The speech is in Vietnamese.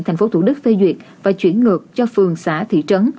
thành phố thủ đức phê duyệt và chuyển ngược cho phường xã thị trấn